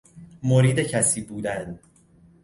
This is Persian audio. مرید کسی بودن